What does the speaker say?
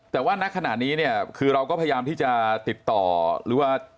แต่ว่าณขนาดนี้เนี่ยคือเราก็ประจำที่จะติดต่อหรือว่า